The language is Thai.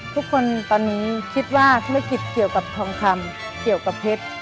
ทุกคนตอนนี้คิดว่าธุรกิจเกี่ยวกับทองคำเกี่ยวกับเพชร